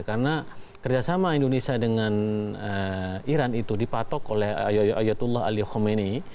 karena kerjasama indonesia dengan iran itu dipatok oleh ayatullah ali khamenei